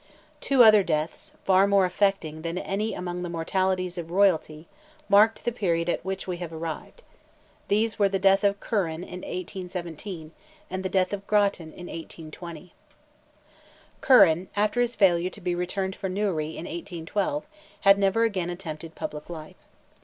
Two other deaths, far more affecting than any among the mortalities of royalty, marked the period at which we have arrived. These were the death of Curran in 1817, and the death of Grattan, in 1820. Curran, after his failure to be returned for Newry, in 1812, had never again attempted public life.